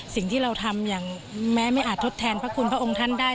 สิ่งที่เราทำอย่างแม้ไม่อาจทดแทนพระคุณพระองค์ท่านได้